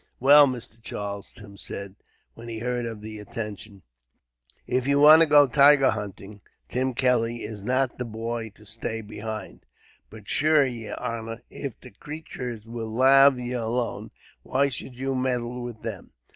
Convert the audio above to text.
"Well, Mr. Charles," Tim said, when he heard of the intention, "if you want to go tiger hunting, Tim Kelly is not the boy to stay behind. But shure, yer honor, if the creeturs will lave ye alone, why should you meddle with them?